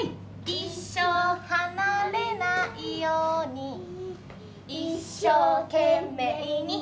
「一生離れないように」「一生懸命に」